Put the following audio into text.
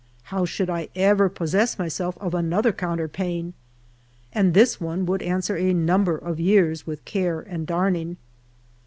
How should I ever possess myself of another counterpane ? and this one would answer a num ber of years with care and darning.